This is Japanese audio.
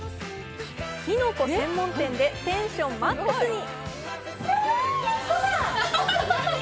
きのこ専門店でテンションマックスに。